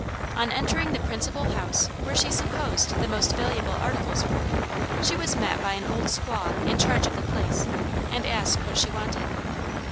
On entering the principal house where she supposed the most valuable articles were, she was met by an old squaw in charge of the place and asked what she wanted.